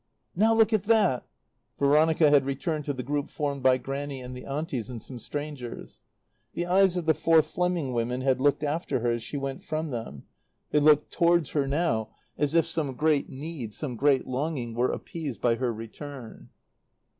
"Now look at that!" Veronica had returned to the group formed by Grannie and the Aunties and some strangers. The eyes of the four Fleming women had looked after her as she went from them; they looked towards her now as if some great need, some great longing were appeased by her return.